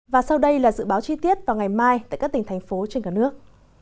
và sau đây là dự báo chi tiết vào ngày mai tại các tỉnh thành phố trên cả nước